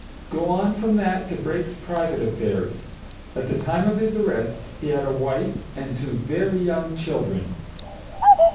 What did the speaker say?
Go on from that to Brake's private affairs. At the time of his arrest he had a wife and two very young children.